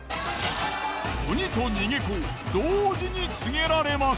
鬼と逃げ子同時に告げられます。